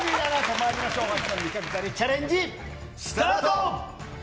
まいりましょう、秋の味覚狩りチャレンジスタート。